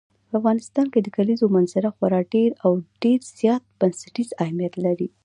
په افغانستان کې د کلیزو منظره خورا ډېر او ډېر زیات بنسټیز اهمیت لري.